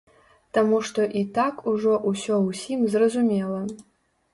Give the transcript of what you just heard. Таму што і так ужо ўсё ўсім зразумела.